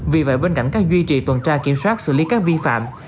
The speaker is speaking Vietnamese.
vì vậy bên cạnh các duy trì tuần tra kiểm soát xử lý các vi phạm